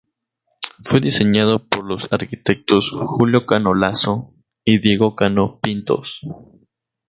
Fue diseñado por los arquitectos Julio Cano Lasso y Diego Cano Pintos.